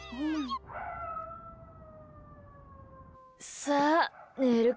さあ、寝るか。